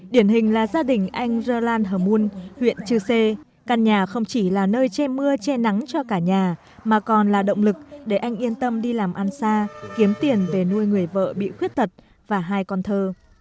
điển hình là gia đình anh jolan hờ mun huyện chư sê căn nhà không chỉ là nơi che mưa che nắng cho cả nhà mà còn là động lực để anh yên tâm đi làm ăn xa kiếm tiền về nuôi người vợ bị khuyết tật và hai con thơ